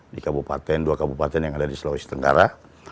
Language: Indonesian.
di kabupaten dua kabupaten yang ada di sulawesi tenggara